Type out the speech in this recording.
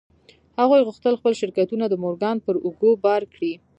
هغوی غوښتل خپل شرکتونه د مورګان پر اوږو بار کړي